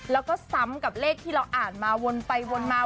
แล้วก็ซ้ำกับเลขที่เราอ่านมาวนไปวนมา